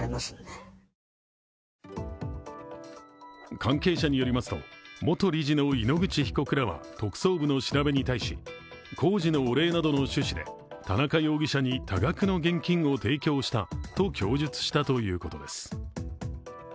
関係者によりますと元理事の井ノ口被告らは特捜部の調べに対し工事のお礼などの趣旨で田中容疑者に多額の現金を提供したと供述したということです。